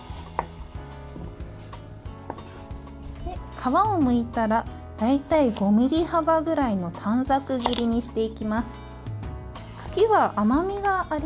皮をむいたら大体５ｍｍ幅ぐらいの短冊切りにしていきます。